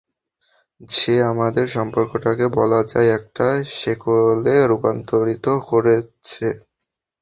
সে আমাদের সম্পর্কটাকে বলা যায় একটা শেকলে রূপান্তরিত করেছে!